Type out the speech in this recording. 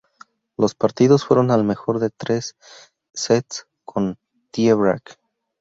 Los partidos fueron al mejor de tres sets, con tiebreak.